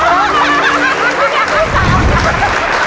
ต่างทุกอย่างเลย